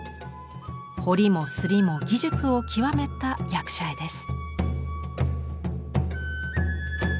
彫りも刷りも技術を極めた役者絵です。